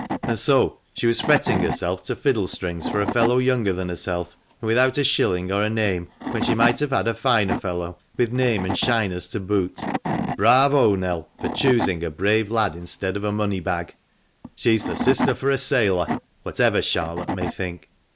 "And so she was fretting herself to fiddle strings for a fellow younger than herself, and without a shilling or a name, when she might have had a finer fellow, with name and shiners to boot. Bravo ! Nell, for choosing a brave lad instead of a money bag! She's the sister for a sailor, whatever Charlotte may think.